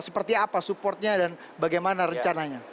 seperti apa supportnya dan bagaimana rencananya